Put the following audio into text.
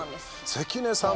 関根さん